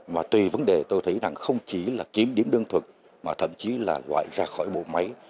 và tùy vấn đề tôi thấy không chỉ kiếm điểm đơn thuật mà thậm chí là loại ra khỏi bộ máy